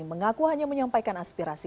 mengaku hanya menyampaikan aspirasi